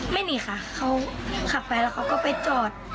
หนีค่ะเขาขับไปแล้วเขาก็ไปจอด